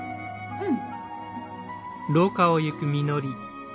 うん。